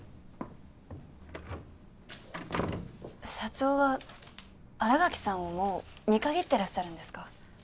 社長は新垣さんをもう見限ってらっしゃるんですか？